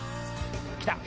来た。